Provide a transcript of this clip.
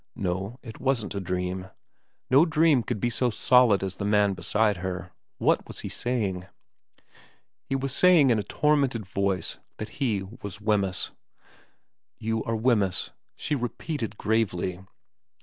No, it wasn't a dream. No dream could be so solid as the man beside her. What was he saying ? He was saying in a tormented voice that he was Wemyss. ' You are Wemyss,' she repeated gravely.